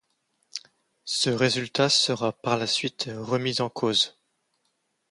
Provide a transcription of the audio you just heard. Ce résultat sera par la suite remis en cause.